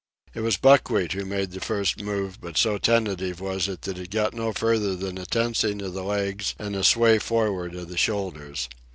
It was Buckwheat who made the first move; but so tentative was it that it got no farther than a tensing of the legs and a sway forward of the shoulders.